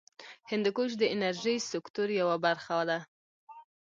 هندوکش د انرژۍ سکتور یوه برخه ده.